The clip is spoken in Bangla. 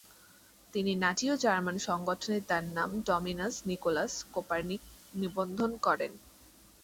তিনি নাটিও জার্মান সংগঠনে তার নাম ডমিনাস নিকোলাস কোপার্নিক নিবন্ধন করেন।